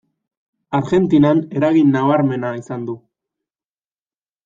Argentinan eragin nabarmena izan du.